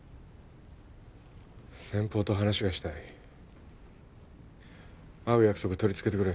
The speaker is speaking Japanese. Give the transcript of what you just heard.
先方と話がしたい会う約束とりつけてくれ